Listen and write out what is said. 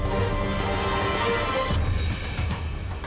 terima kasih afiq